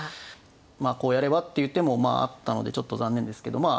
まあこうやればっていう手もまああったのでちょっと残念ですけどまあ